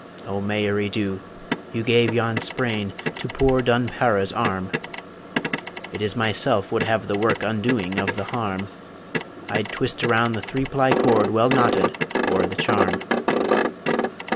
O Mairi Dhu, you gave yon sprain To poor Dun Para's arm; It is myself would have the work Undoing of the harm I'd twist around the three ply cord Well knotted o'er the charm.